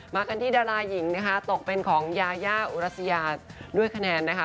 กันที่ดาราหญิงนะคะตกเป็นของยายาอุรัสยาด้วยคะแนนนะคะ